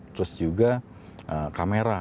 terus juga kamera